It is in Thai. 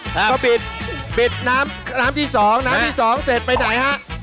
ก็ปิดบิดน้ำน้ำที่สองน้ำที่สองเสร็จไปไหนฮะ